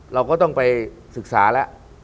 เราก็ต้องไปศึกษาแล้ว